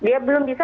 ya belum bisa